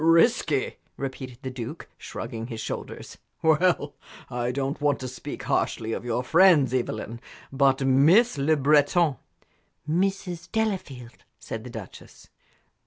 "Risky!" repeated the Duke, shrugging his shoulders. "Well, I don't want to speak harshly of your friends, Evelyn, but Miss Le Breton " "Mrs. Delafield," said the Duchess.